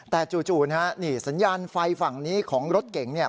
แต่จู่นี่สัญญาณไฟฝั่งนี้ของรถเก๋ง